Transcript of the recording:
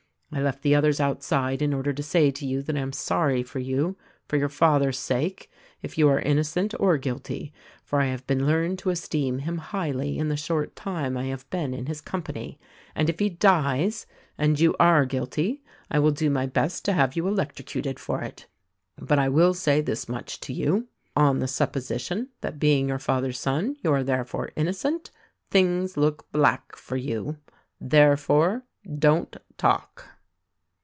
I left the others outside in order to say to you that I am sorry for you, for your father's sake if you are innocent or guilty; for I have learned to esteem him highly in the short time I have been in his company, and if he dies — and you are guilty — I will do my best to have you electrocuted for it. But I will say this much to you — on the supposition that being your father's son you are therefore innocent; things look black for you, therefore, don't talk."